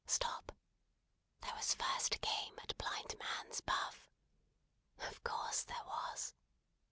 Stop! There was first a game at blind man's buff. Of course there was.